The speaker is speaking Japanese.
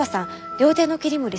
料亭の切り盛り